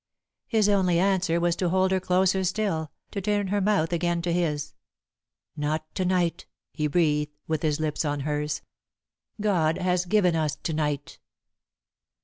His only answer was to hold her closer still, to turn her mouth again to his. "Not to night," he breathed, with his lips on hers. "God has given us to night!"